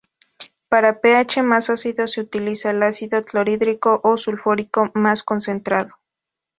Para pH más ácidos se utiliza el ácido clorhídrico o sulfúrico más concentrado.